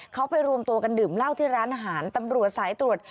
เขาไปรวมตัวกันดื่มเหล้าที่ร้านอาหารตำรวจสายตรวจ